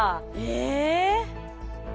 え。